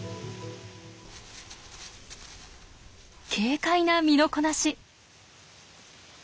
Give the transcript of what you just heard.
軽快な身のこなし。